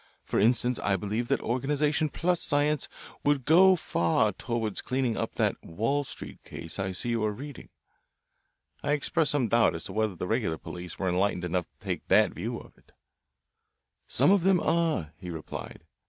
For instance, I believe that organisation plus science would go far toward clearing up that Wall Street case I see you are reading." I expressed some doubt as to whether the regular police were enlightened enough to take that view of it. "Some of them are," he replied.